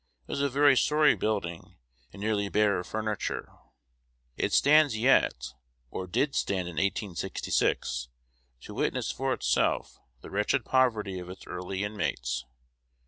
It was a very sorry building, and nearly bare of furniture. It stands yet, or did stand in 1866, to witness for itself the wretched poverty of its early inmates.